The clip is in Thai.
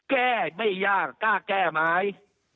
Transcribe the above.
แก้ไม่ยากกล้าแก้ไหม